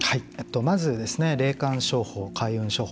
まず、霊感商法、開運商法。